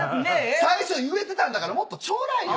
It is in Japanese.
最初言えてたんだからもっとちょうだいよ。